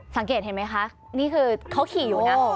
สังเกตเห็นไหมคะนี่คือเขาขี่อยู่นะ